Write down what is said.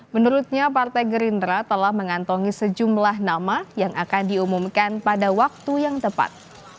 menurutnya partai gerindra telah mengantongi sejumlah nama yang akan diumumkan pada waktu yang tepat